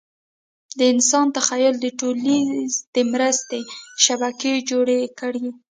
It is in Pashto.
د انسان تخیل د ټولیزې مرستې شبکې جوړې کړې.